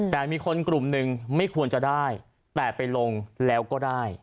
แต่มีคนกลุ่มหนึ่งไม่ควรจะได้แต่ไปลงแล้วก็ได้